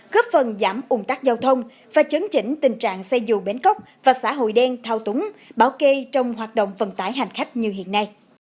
góp phần giảm ủng tắc giao thông và chấn chỉnh tình trạng xe dù bến cốc và xã hội đen thao túng bảo kê trong hoạt động vận tải hành khách như hiện nay